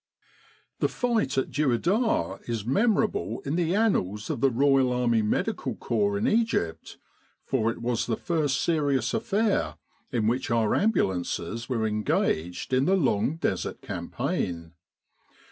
The fight at Dueidar is memorable in the annals of the Royal Army Medical Corps in Egypt, for it was the first serious affair in which our ambulances were engaged in the long Desert Campaign.